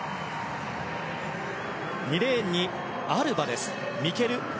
２レーンにミケルです。